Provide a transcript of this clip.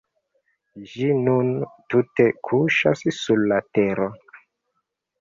Ĝi nun tute kuŝas sur la tero.